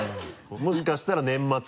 もしかしたら年末に